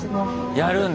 やるんだ。